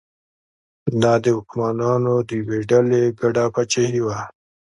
دا د واکمنانو د یوې ډلې ګډه پاچاهي وه.